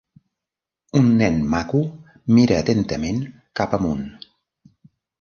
Un nen maco mira atentament cap amunt.